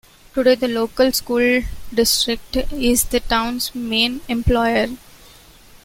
Today the local school district is the town's main employer.